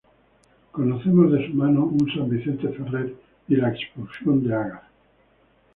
Conocemos de su mano un "San Vicente Ferrer" y "La expulsión de Agar".